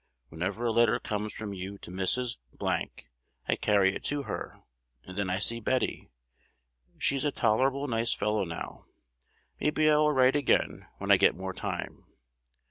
Whenever a letter comes from you to Mrs. , I carry it to her, and then I see Betty: she is a tolerable nice fellow now. Maybe I will write again when I get more time.